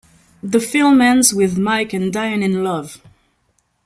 The film ends with Mike and Diane in love.